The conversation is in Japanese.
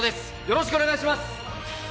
よろしくお願いします！